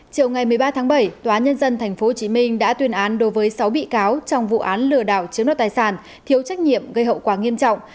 chiều ngày một mươi ba tháng bảy tòa nhân dân tp hcm đã tuyên án đối với sáu bị cáo trong vụ án lừa đảo chiếm đoạt tài sản thiếu trách nhiệm gây hậu quả nghiêm trọng